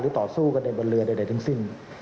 หรือต่อสู้กันในบนเรือใดถึงสิ้น